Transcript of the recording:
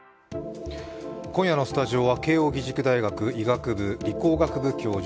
今夜のスタジオは慶応義塾大学医学部・理工学部教授